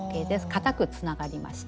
固くつながりました。